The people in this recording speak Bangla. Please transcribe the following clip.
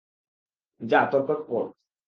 যা, তোর কোট পর!